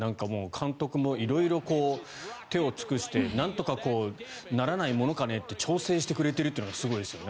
監督も色々、手を尽くしてなんとかならないものかねと調整してくれているのがすごいですよね。